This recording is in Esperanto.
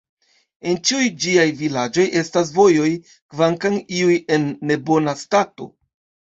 En ĉiuj ĝiaj vilaĝoj estas vojoj, kvankam iuj en nebona stato.